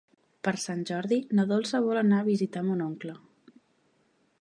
Per Sant Jordi na Dolça vol anar a visitar mon oncle.